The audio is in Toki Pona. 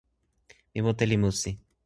mi mute li musi.